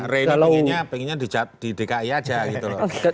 reno pengennya di dki aja gitu loh